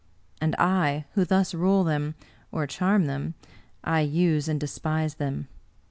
And I, who thus rule them, or charm them — I use and despise them.